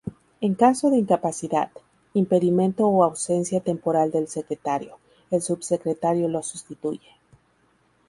En caso de incapacidad, impedimento o ausencia temporal del Secretario, el Subsecretario lo sustituye.